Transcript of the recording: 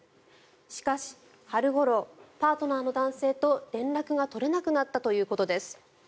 しかし、春ごろパートナーの男性と連絡が取れなくなったということです。